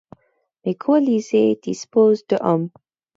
Les coalisés disposent de hommes.